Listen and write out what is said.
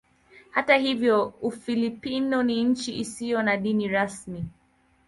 Hata hivyo Ufilipino ni nchi isiyo na dini rasmi.